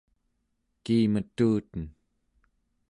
kiimetuten